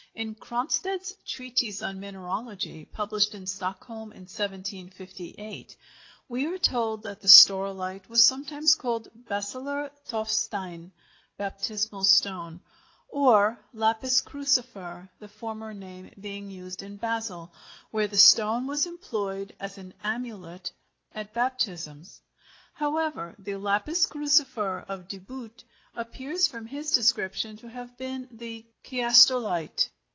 In Cronstedt's treatise on mineralogy, published in Stockholm in 1758, we are told that the staurolite was sometimes called Baseler Taufstein (baptismal stone) or lapis crucifer, the former name being used in Basel, where the stone was employed as an amulet at baptisms. However, the lapis crucifer of De Boot appears from his description to have been the chiastolite.